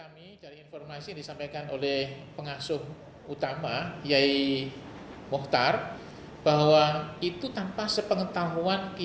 muhtar bahwa itu tanpa sepengetahuan pi